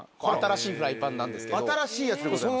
新しいやつでございます。